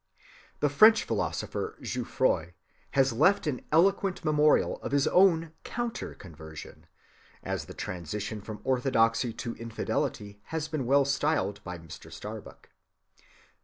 The French philosopher Jouffroy has left an eloquent memorial of his own "counter‐conversion," as the transition from orthodoxy to infidelity has been well styled by Mr. Starbuck.